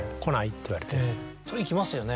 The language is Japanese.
それ行きますよね。